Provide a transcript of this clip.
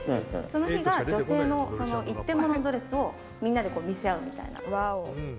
その日が女性の一点物のドレスをみんなで見せ合うみたいな。